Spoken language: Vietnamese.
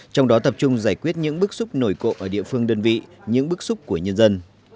trong đó tập trung giải quyết những bức xúc nổi cộ ở địa phương đơn vị những bức xúc của nhân dân